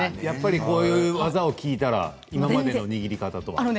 やっぱりこういう技を聞いたら今までの握り方とは。